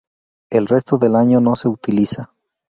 El resto del año no se utiliza.